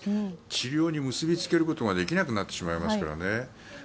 治療に結びつけることができなくなりますからね。